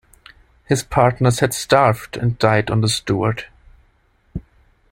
His partners had starved and died on the Stewart.